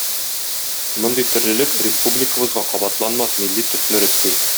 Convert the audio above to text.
Мондый төрлелек республикабызга кабатланмас милли төсмер өсти.